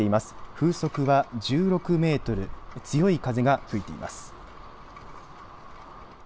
風速は１６メートル強い風が吹いています。